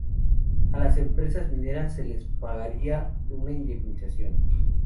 A las empresas mineras se les pagaría una indemnización.